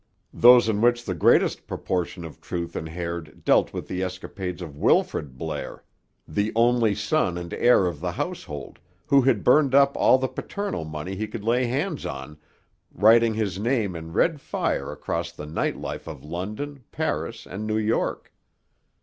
Those in which the greatest proportion of truth inhered dealt with the escapades of Wilfrid Blair, the only son and heir of the household, who had burned up all the paternal money he could lay hands on, writing his name in red fire across the night life of London, Paris, and New York.